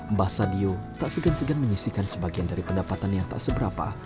mbah sadio tak segan segan menyisikan sebagian dari pendapatan yang tak seberapa